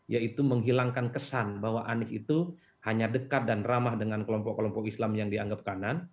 yaitu menghilangkan kesan bahwa anies itu hanya dekat dan ramah dengan kelompok kelompok islam yang dianggap kanan